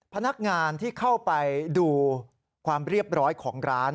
พนักงานที่เข้าไปดูความเรียบร้อยของร้าน